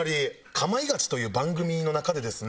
『かまいガチ』という番組の中でですね。